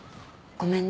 ごめんね。